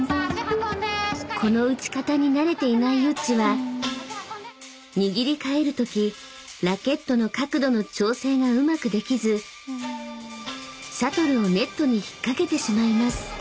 ［この打ち方に慣れていないユッチは握り替えるときラケットの角度の調整がうまくできずシャトルをネットに引っ掛けてしまいます］